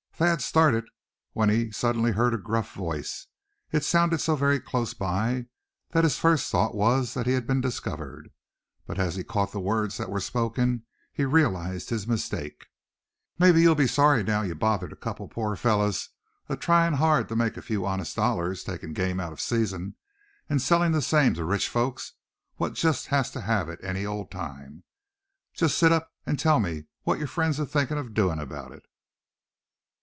Thad started when he suddenly heard a gruff voice; it sounded so very close by, that his first thought was he had been discovered. But as he caught the words that were spoken he realized his mistake. "Mebbe ye'll be sorry now, ye bothered a couple of poor fellers atryin' hard to make a few honest dollars a takin' game out of season, an' sellin' the same to the rich folks what jest has to have it any ole time. Jest sit up, an' tell me what yer friends are thinkin' of doin' 'bout it."